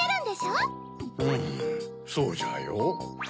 うむそうじゃよ。